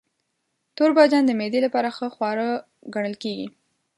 توربانجان د معدې لپاره ښه خواړه ګڼل کېږي.